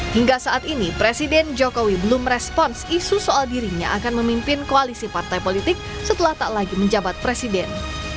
hingga saat ini presiden jokowi belum respons isu soal dirinya akan memimpin koalisi partai politik setelah tak lagi menjabat presiden